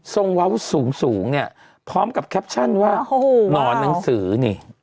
เว้าสูงเนี่ยพร้อมกับแคปชั่นว่าหนอนหนังสือนี่